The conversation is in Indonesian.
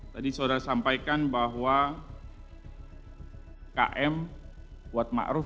tadi saudara sampaikan bahwa km buat ma'ruf